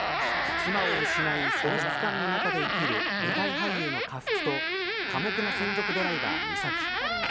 妻を失い喪失感の中で生きる舞台俳優の家福と寡黙な専属ドライバーみさき。